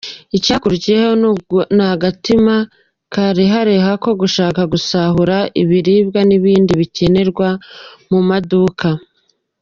Icyakurikiyeho ni agatima karehareha ko gushaka gusahura ibiribwa n’ibindi bikenerwa mu maduka.